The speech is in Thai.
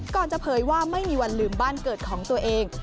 จะเผยว่าไม่มีวันลืมบ้านเกิดของตัวเอง